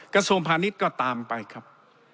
กระทรวงพาณิชย์ก็ตามไปครับ